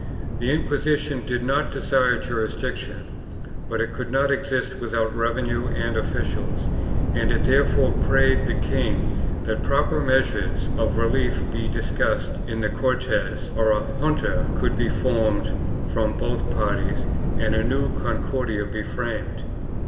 The Inquisition did not desire jurisdiction, but it could not exist without revenue and officials, and it therefore prayed the king that proper measures of relief be discussed in the Cortes, or a junta could be formed from both parties and a new Con cordia be framed.